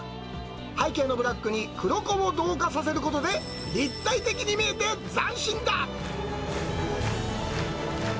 背景のブラックに黒子を同化させることで、立体的に見えて、斬新だ。